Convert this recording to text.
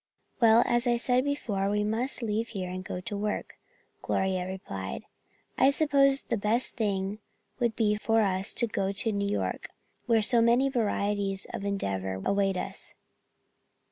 "Well, as I said before, we must leave here and go to work," Gloria replied. "I suppose the best thing would be for us to go to New York, where so many varieties of endeavor await us.